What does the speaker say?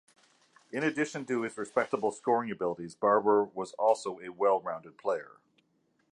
In addition to his respectable scoring abilities, Barber was also a well rounded player.